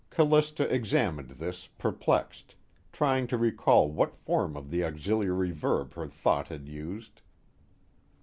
Callista examined this, perplexed, trying to recall what form of the auxiliary verb her thought had used.